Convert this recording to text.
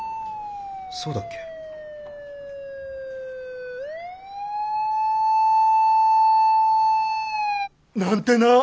そうだっけ？なんてな！